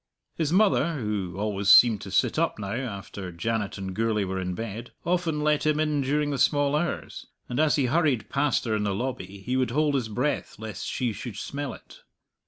His mother (who always seemed to sit up now, after Janet and Gourlay were in bed) often let him in during the small hours, and as he hurried past her in the lobby he would hold his breath lest she should smell it.